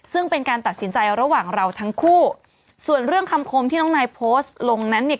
ซึ่งเป็นการตัดสินใจระหว่างเราทั้งคู่ส่วนเรื่องคำคมที่น้องนายโพสต์ลงนั้นเนี่ย